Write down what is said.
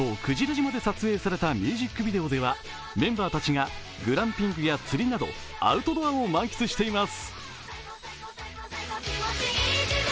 島で撮影されたミュージックビデオでは、メンバーたちがグランピングや釣りなどアウトドアを満喫しています。